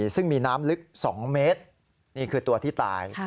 ซึ่งมีน้ำลึก๒เมตรนี่คือตัวที่ตาย